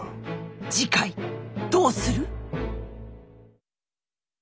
次回どうする？